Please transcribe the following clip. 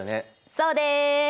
そうです！